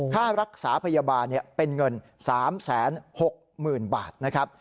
ค่ารักษาพยาบาลเป็นเงิน๓๖๐๐๐บาทนะครับ